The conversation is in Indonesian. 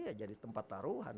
ya jadi tempat taruhan